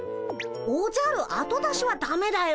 おじゃる後出しはだめだよ。